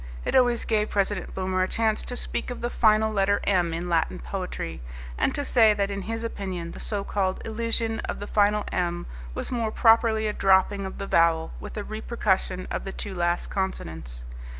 It always gave President Boomer a chance to speak of the final letter "m" in Latin poetry, and to say that in his opinion the so called elision of the final "m" was more properly a dropping of the vowel with a repercussion of the two last consonants.